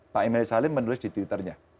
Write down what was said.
pak emil salim menulis di twitternya